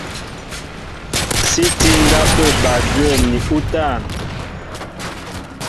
Sí tí á ndápə̂ bal dwə̂m ni útân.